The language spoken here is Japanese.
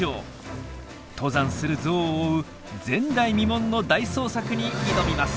登山するゾウを追う前代未聞の大捜索に挑みます！